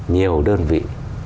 nhiều đơn vị